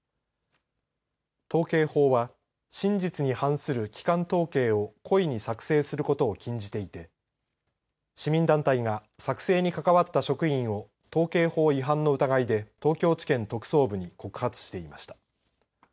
統計法は、真実に反する基幹統計を故意に作成することを禁じていて市民団体が作成に関わった職員を統計法違反の疑いで東京地検特捜部に告発していました。